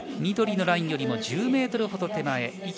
緑のラインよりも１０ｍ近く手前。